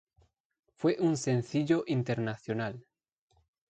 Fue un sencillo internacional.